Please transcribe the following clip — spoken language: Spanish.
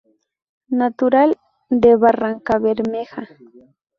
Natural de Barrancabermeja.